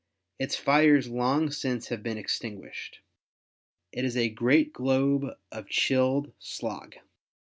Its fires long since have been ex tinguished. It is a great globe of chilled slag.